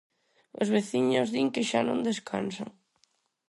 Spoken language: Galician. Os veciños din que xa non descansan.